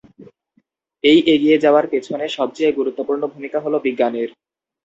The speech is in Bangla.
এই এগিয়ে যাওয়ার পেছনে সবচেয়ে গুরুত্বপূর্ণ ভূমিকা হলাে বিজ্ঞানের।